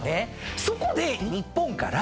そこで日本から。